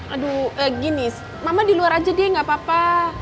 aduh gini mama di luar aja deh gak apa apa